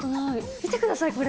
見てください、これ。